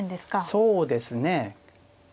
そうですね。